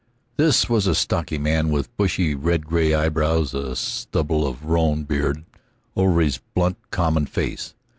This was a stocky man with bushy red gray eyebrows, a stubble of roan beard over his blunt, common face.